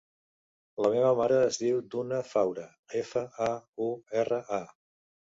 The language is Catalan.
La meva mare es diu Duna Faura: efa, a, u, erra, a.